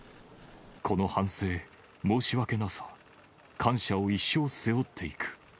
この反省、申し訳なさ、感謝を一生背負っていく。